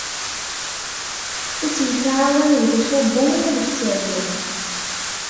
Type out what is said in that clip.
Ur tt-yettɛawan deg uṣubbu wala deg usali.